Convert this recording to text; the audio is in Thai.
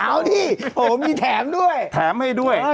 เอาดิโอ้มีแถมด้วยแถมให้ด้วย